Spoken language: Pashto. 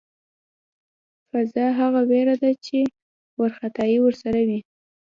فذع هغه وېره ده چې وارخطایی ورسره وي.